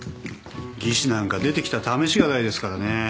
技師なんか出てきた試しがないですからね。